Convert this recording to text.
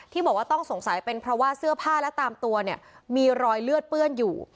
บอกว่าต้องสงสัยเป็นเพราะว่าเสื้อผ้าและตามตัวเนี่ยมีรอยเลือดเปื้อนอยู่